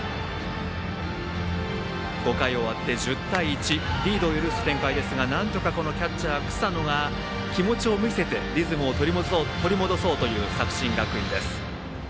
５回終わって、１０対１リードを許す展開ですがなんとかキャッチャー草野が気持ちを見せてリズムを取り戻そうという作新学院です。